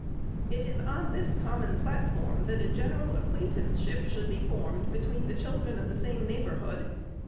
It is on this common platform, that a general acquaintanceship should be formed between the VOL. i. 27 418 THE SECRETARY'S children of the same neighborhood.